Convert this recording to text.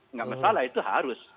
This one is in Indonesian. nggak masalah itu harus